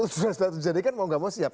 sudah terjadi kan mau gak mau siap